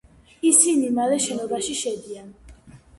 ისინი მალე შენობაში შედიან.